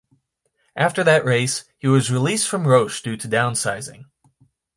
After that race, he was released from Roush due to downsizing.